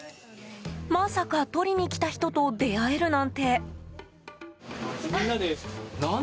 まさか取りに来た人と出会えるなんて。